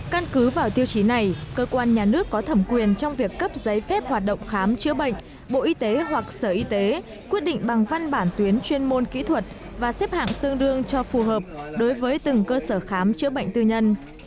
căn cứ vào tiêu chí này cơ quan nhà nước có thẩm quyền trong việc cấp giấy phép hoạt động khám chữa bệnh bộ y tế hoặc sở y tế quyết định bằng văn bản tuyến chuyên môn kỹ thuật và xếp hạng tương đương cho phù hợp đối với từng cơ sở khám chữa bệnh tư nhân